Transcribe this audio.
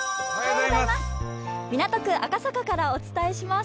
港区赤坂からお伝えします。